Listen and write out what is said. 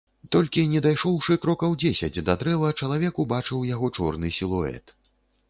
Толькі не дайшоўшы крокаў дзесяць да дрэва, чалавек убачыў яго чорны сілуэт.